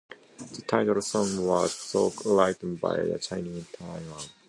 The title song was co-written by Shania Twain.